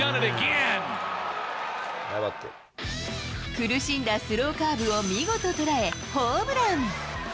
苦しんだスローカーブを見事捉え、ホームラン。